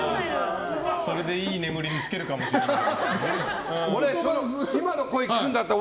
それでいい眠りにつけるかもしれない。